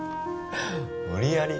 無理やり